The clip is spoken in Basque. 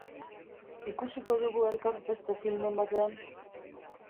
Ikusiko dugu elkar beste filmen batean?